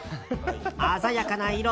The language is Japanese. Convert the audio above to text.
鮮やかな色。